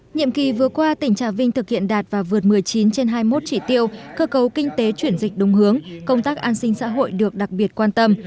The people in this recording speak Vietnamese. nhiệm kỳ vừa qua tỉnh trà vinh thực hiện đạt và vượt một mươi chín trên hai mươi một chỉ tiêu cơ cấu kinh tế chuyển dịch đúng hướng công tác an sinh xã hội được đặc biệt quan tâm